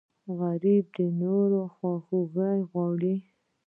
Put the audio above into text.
غریب د نورو خواخوږی غواړي